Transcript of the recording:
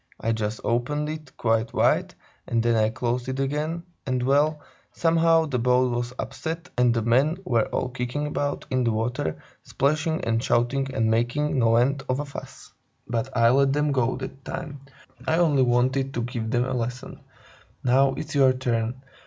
I just opened it quite wide and then I closed it again, and, well, somehow the boat was upset and the men were all kicking about in the water, splashing and shouting and making no end of a fuss. But I let them go that time, I only wanted to give them a lesson. Now, it's your turn.